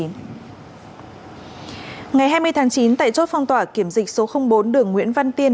ngày hai mươi tháng chín tại chốt phong tỏa kiểm dịch số bốn đường nguyễn văn tiên